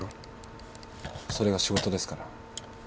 それが仕事ですから。